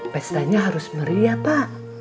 pastinya harus meriah pak